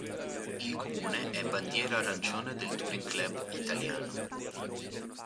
Il comune è Bandiera arancione del Touring Club Italiano.